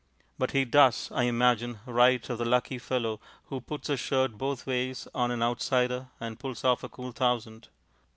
But he does (I imagine) write of the lucky fellow who puts his shirt both ways on an outsider and pulls off a cool thousand.